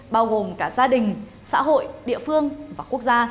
bao gồm cả gia đình xã hội địa phương và khu